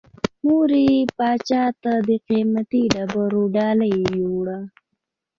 مور یې پاچا ته د قیمتي ډبرو ډالۍ یووړه.